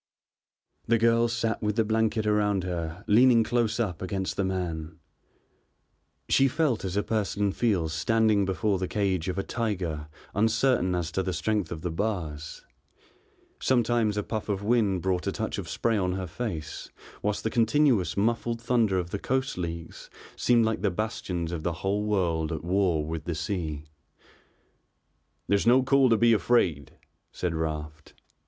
The girl sat with the blanket around her leaning close up against the man. She felt as a person feels standing before the cage of a tiger uncertain as to the strength of the bars, sometimes a puff of wind brought a touch of spray on her face, whilst the continuous muffled thunder of the coast leagues seemed like the bastions of the whole world at war with the sea. "There's no call to be afraid," said Raft.